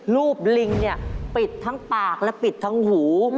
รูปลิงปิดทั้งปากและปิดทั้งหู